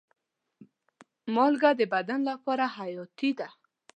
مالګه د بدن لپاره حیاتي ده.